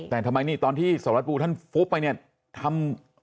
แต่ทำไมนี่ตอนที่สารวัตปูท่านฟุบไปเนี่ยทำ